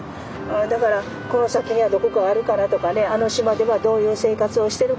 だからこの先にはどこかあるかなとかねあの島ではどういう生活をしてるかな。